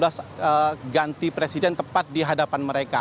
sehingga dua ribu sembilan belas ganti presiden tepat di hadapan mereka